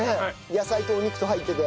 野菜とお肉と入ってて。